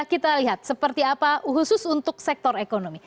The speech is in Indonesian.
kita lihat seperti apa khusus untuk sektor ekonomi